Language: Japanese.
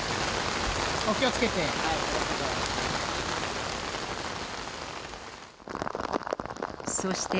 お気をつけて。